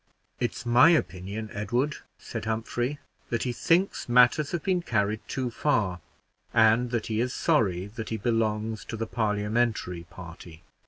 "It's my opinion, Edward," said Humphrey, "that he thinks matters have been carried too far, and that he is sorry that he belongs to the Parliamentary party.